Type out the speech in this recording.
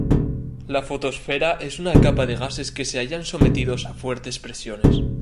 La fotosfera es una capa de gases que se hallan sometidos a fuertes presiones.